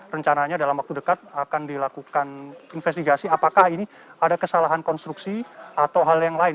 rencananya dalam waktu dekat akan dilakukan investigasi apakah ini ada kesalahan konstruksi atau hal yang lain